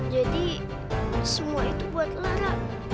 jadi semua itu buat lara